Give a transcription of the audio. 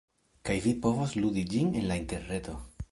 kaj vi povos ludi ĝin en la interreto.